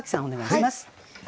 お願いします。